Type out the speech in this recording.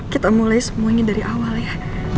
kita mulai semuanya dari awal ya